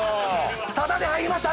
タダで入りました！